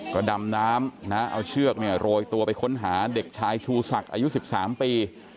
ก็ดำน้ำเอาเชือกโรยตัวไปค้นหาเด็กชายชูศักดิ์อายุ๑๓ปี